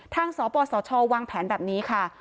สปสชวางแผนแบบนี้ค่ะ